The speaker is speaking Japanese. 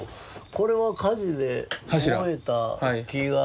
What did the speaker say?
これは火事で燃えた木が柱。